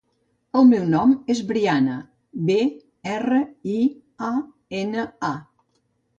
El meu nom és Briana: be, erra, i, a, ena, a.